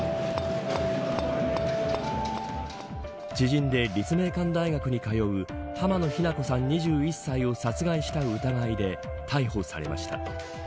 知人で立命館大学に通う濱野日菜子さん、２１歳を殺害した疑いで逮捕されました。